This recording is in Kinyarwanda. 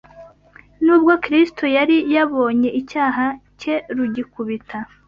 Nubwo Kristo yari yabonye icyaha cye rugikubita